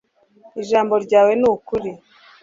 ijambo ryawe ni ukuri